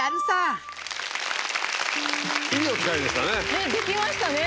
ねっできましたね